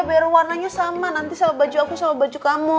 biar warnanya sama nanti sama baju aku sama baju kamu